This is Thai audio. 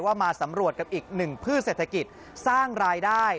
มาสำรวจกับอีกหนึ่งพืชเศรษฐกิจสร้างรายได้